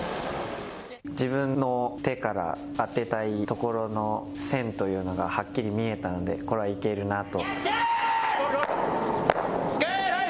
自分の手から当てたいところの線というのがはっきり見えたのでこれはいけるなと。